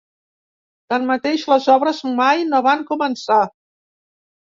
Tanmateix, les obres mai no van començar.